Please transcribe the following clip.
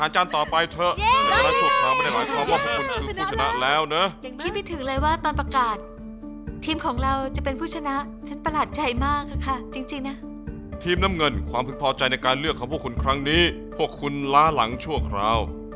ทีมน้ำเงินความพึกพอใจในการเลือกของพวกคุณครั้งนี้พวกคุณล้าหลังชั่วคราว